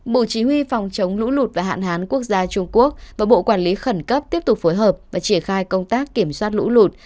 bộ chỉ huy phòng chống lũ lụt và hạn hán quốc gia trung quốc và bộ quản lý khẩn cấp tiếp tục phối hợp và triển khai công tác kiểm soát lũ lụt